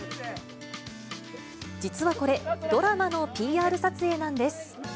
実はこれ、ドラマのＰＲ撮影なんです。